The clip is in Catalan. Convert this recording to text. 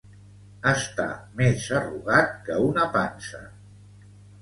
Estar més arrugat que una pansa